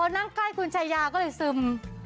นั่งใกล้คุณชายาก็เลยซึม